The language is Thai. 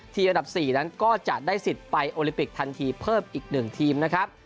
อันดับ๔นั้นก็จะได้สิทธิ์ไปโอลิปิกทันทีเพิ่มอีก๑ทีมนะครับ